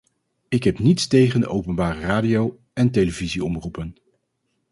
Ik heb niets tegen de openbare radio- en televisie-omroepen.